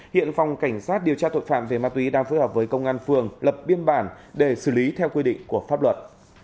hiện phòng cảnh sát điều tra tội phạm về ma túy đang phối hợp với công an phường lập biên bản để xử lý theo quy định của pháp luật